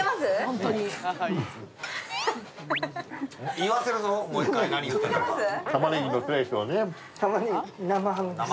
言わせるぞ、もう一回、何を言ってたか。